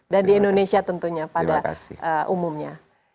dan di indonesia tentunya pada umumnya